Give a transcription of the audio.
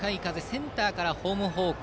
センターからホーム方向。